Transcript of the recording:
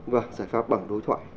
và giải pháp bằng đối thoại